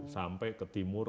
sampai ke timur